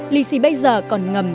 lì xì bây giờ còn ngầm